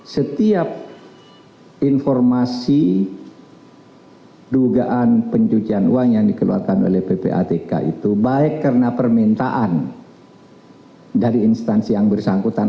setiap informasi dugaan pencucian uang yang dikeluarkan oleh ppatk itu baik karena permintaan dari instansi yang bersangkutan